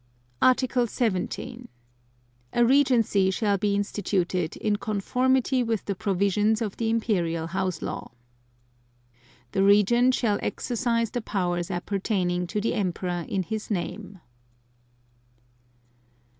Article 17. A Regency shall be instituted in conformity with the provisions of the Imperial House Law. (2) The Regent shall exercise the powers appertaining to the Emperor in His name.